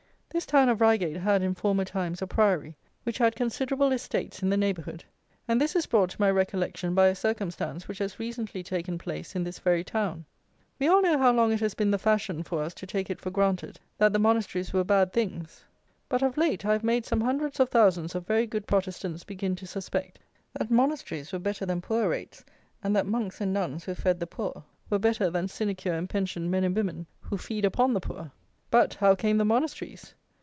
This town of Reigate had, in former times, a Priory, which had considerable estates in the neighbourhood; and this is brought to my recollection by a circumstance which has recently taken place in this very town. We all know how long it has been the fashion for us to take it for granted, that the monasteries were bad things; but, of late, I have made some hundreds of thousands of very good Protestants begin to suspect, that monasteries were better than poor rates, and that monks and nuns, who fed the poor, were better than sinecure and pension men and women, who feed upon the poor. But, how came the monasteries!